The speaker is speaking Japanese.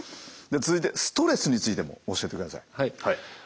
で続いてストレスについても教えてください。